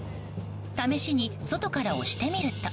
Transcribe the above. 試しに、外から押してみると。